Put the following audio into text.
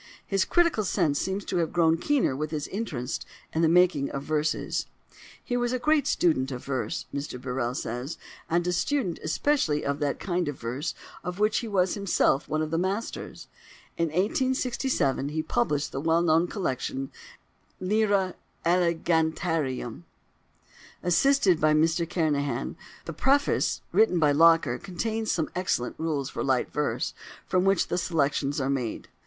His critical sense seems to have grown keener with his interest in the making of verses: "he was a great student of verse," Mr Birrell says, and a student especially of that kind of verse of which he was himself one of the masters. In 1867 he published the well known collection "Lyra Elegantiarum," assisted by Mr Kernahan: the preface, written by Locker, contains some excellent rules for "light verse," from which the selections are made.